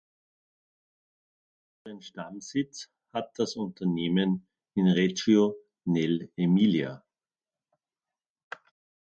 Ihren Stammsitz hat das Unternehmen in Reggio nell’Emilia.